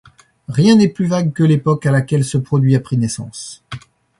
Rien n’est plus vague que l’époque à laquelle ce produit a pris naissance.